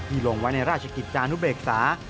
ลงไว้ในราชกิจจานุเบกษา